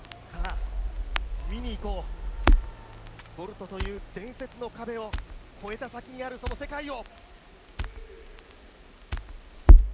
さあ見に行こう、ボルトという伝説の壁を超えた先にあるその世界を。